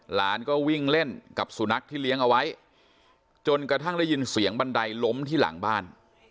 หลานก็วิ่งเล่นกับสุนัขที่เลี้ยงเอาไว้จนกระทั่งได้ยินเสียงบันไดล้มที่หลังบ้าน